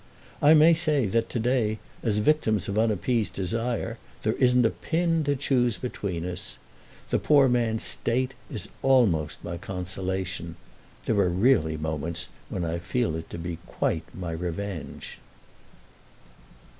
I may say that to day as victims of unappeased desire there isn't a pin to choose between us. The poor man's state is almost my consolation; there are really moments when I feel it to be quite my revenge.